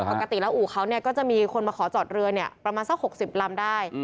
ปกติแล้วอู่เขาก็จะมีคนมาขอจอดเรือประมาณสัก๖๐ลำได้